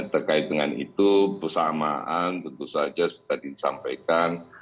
terkait dengan itu bersamaan tentu saja tadi disampaikan